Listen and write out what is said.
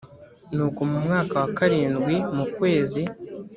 Nuko mu mwaka wa karindwi mu kwezi